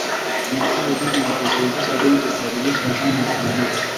inatoa huduma ya kuziwezesha benki kubadilishana zana za malipo